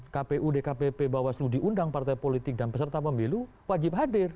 kpu dkpp bawaslu diundang partai politik dan peserta pemilu wajib hadir